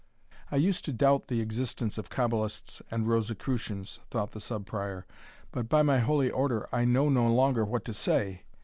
"I used to doubt the existence of Cabalists and Rosicrucians," thought the Sub Prior, "but, by my Holy Order, I know no longer what to say!